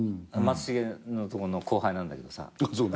松重のとこの後輩なんだけどさ。